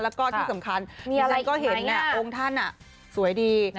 แล้วก็ที่สำคัญดิฉันก็เห็นโอ้งท่านสวยดี